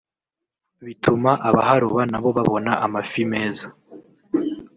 bituma abaharoba nabo babona amafi meza